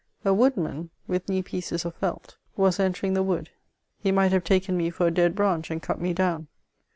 A woodman, with knee pieces of felt^ was entering the wood ; he might ]u.ve taken me for a dead branch and cut me down.